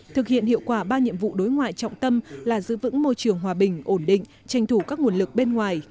thực hiện hiệu quả ba nhiệm vụ đối ngoại trọng tâm là giữ vững môi trường hòa bình ổn định tranh thủ các nguồn lực bên ngoài